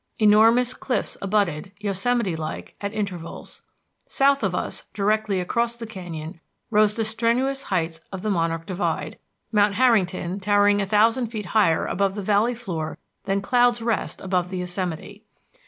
Enormous cliffs abutted, Yosemite like, at intervals. South of us, directly across the canyon, rose the strenuous heights of the Monarch Divide, Mount Harrington, towering a thousand feet higher above the valley floor than Clouds Rest above the Yosemite.